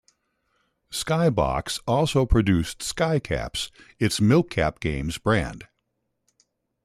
SkyBox also produced SkyCaps, its milk caps games brand.